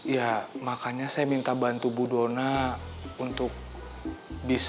ya makanya saya minta bantu bu dona untuk bisa bantu saya mengangkat kebutuhan